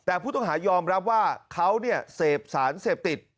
แต่ผู้ต้องหายอมรับว่าเขาเสพสารเสพติด